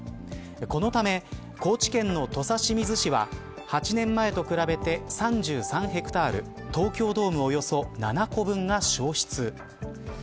このため高知県の土佐清水市は８年前と比べて３３ヘクタール東京ドームおよそ７個分が消失。